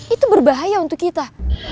itu berbahaya untuk kita